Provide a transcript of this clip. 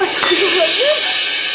masih belum lazim